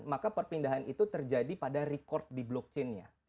maka perpindahan itu terjadi pada record di blockchain nya